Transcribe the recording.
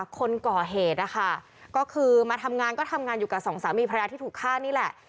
คนก่อเหตุนะคะก็คือมาทำงานก็ทำงานอยู่กับสองสามีภรรยาที่ถูกฆ่านี่แหละ